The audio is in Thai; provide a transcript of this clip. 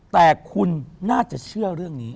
แต่คุณน่าจะเชื่อเรื่องนี้